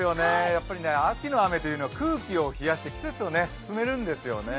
やっぱり秋の雨というのは、空気を冷やして季節を進めるんですよね。